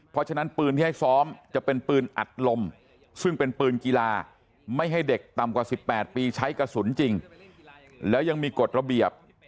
เพราะฉะนั้นปืนที่ให้ซ้อมจะเป็นปืนอัดลมซึ่งเป็นปืนกีฬาไม่ให้เด็กต่ำกว่า๑๘ปีใช้กระสุนจริงแล้วยังมีกฎระเบียบ